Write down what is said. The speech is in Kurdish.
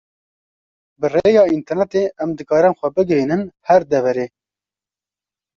Bi rêya internêtê em dikarin xwe bigihînin her deverê.